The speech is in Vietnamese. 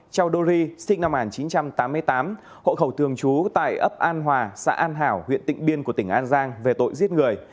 châu đô ri sinh năm một nghìn chín trăm tám mươi tám hộ khẩu thường trú tại ấp an hòa xã an hảo huyện tịnh biên của tỉnh an giang về tội giết người